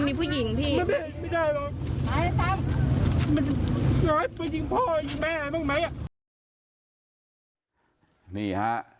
ดีเย็นดีดี